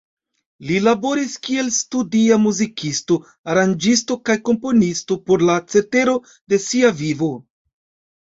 Li laboris kiel studia muzikisto, aranĝisto, kaj komponisto por la cetero de sia vivo.